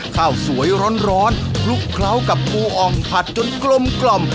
ข้าวสวยร้อนคลุกเคล้ากับปูอ่องผัดจนกลม